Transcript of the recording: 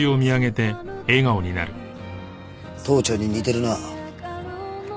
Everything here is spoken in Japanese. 父ちゃんに似てるな。